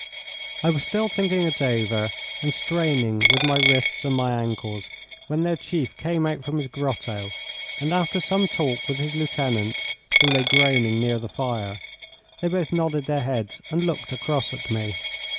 I was still thinking it over and straining with my wrists and my ankles, when their chief came out from his grotto, and after some talk with his lieutenant, who lay groaning near the fire, they both nodded their heads and looked across at me.